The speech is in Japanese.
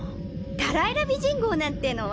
タライラびじん号なんてのは？